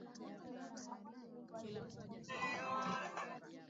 Kila mahali dunaini watu hasa vijana hucheza barabarani au shambani